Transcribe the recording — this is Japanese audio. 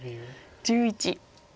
１１。